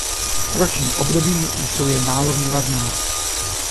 Roční období jsou jen málo výrazná.